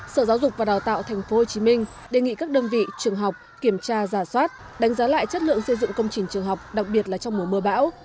sở giáo dục và đào tạo tp hcm đề nghị các đơn vị trường học kiểm tra giả soát đánh giá lại chất lượng xây dựng công trình trường học đặc biệt là trong mùa mưa bão